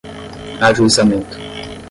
ajuizamento